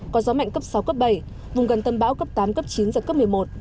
có gió mạnh cấp sáu cấp bảy vùng gần tâm bão cấp tám cấp chín giật cấp một mươi một